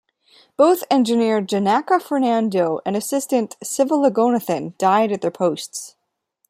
Both engineer Janaka Fernando and assistant Sivaloganathan died at their posts.